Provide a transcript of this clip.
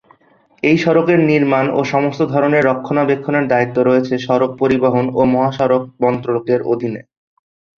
এই সড়কের নির্মাণ ও সমস্ত ধরনের রক্ষণাবেক্ষণের দায়িত্ব রয়েছে সড়ক পরিবহন ও মহাসড়ক মন্ত্রকের অধিনে।